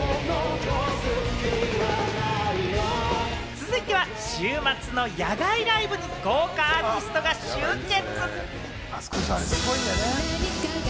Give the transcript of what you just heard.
続いては、週末の野外ライブに豪華アーティストが集結。